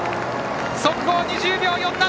速報２０秒４７！